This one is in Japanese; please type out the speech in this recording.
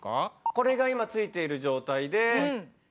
これが今ついている状態で消すと。